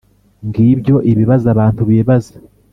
Ngibyo ibibazo abantu bibaza,